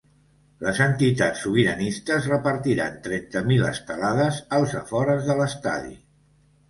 Les entitats sobiranistes repartiran trenta mil estelades als afores de l’estadi.